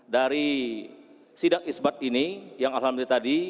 dari sidang isbat ini yang alhamdulillah tadi